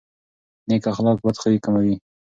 نیک اخلاق بدخويي کموي.